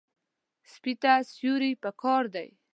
سپي ته سیوري پکار دی.